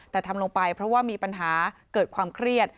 แต่ทำลงไปเพราะว่ามีปัญหาเกิดความเครียด